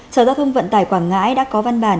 sở giao thông vận tải quảng ngãi đã có văn bản